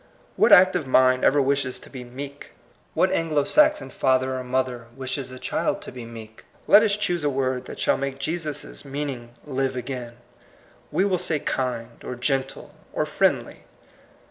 What active mind ever wishes to be "meek"? What Anglo Saxon father or mother wishes a child to be "meek"? Let us choose a word that shall make Jesus' meaning live again; we will say kind, or gentle, or friendly.